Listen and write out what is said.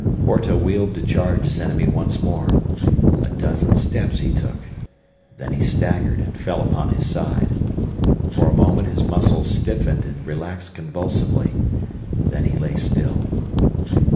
Horta wheeled to charge his enemy once more; a dozen steps he took, then he staggered and fell upon his side. For a moment his muscles stiffened and relaxed convulsively, then he lay still.